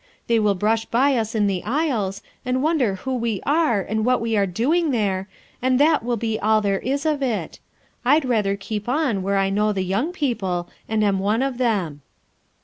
They will brush by us in the aisles, and wonder who we are and what we are doing there, and that will be all there is of it. I'd rather keep on where I know the young people and am one of them."